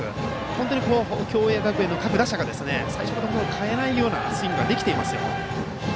本当に共栄学園の各打者が最初から変えないようなスイングできていますよ。